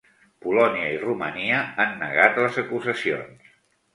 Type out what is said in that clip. Polònia i Romania han negat les acusacions.